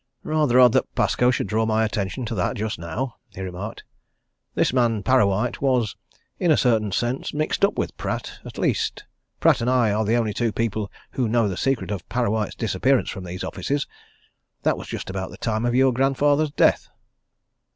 "Rather odd that Pascoe should draw my attention to that just now," he remarked. "This man Parrawhite was, in a certain sense, mixed up with Pratt at least, Pratt and I are the only two people who know the secret of Parrawhite's disappearance from these offices. That was just about the time of your grandfather's death."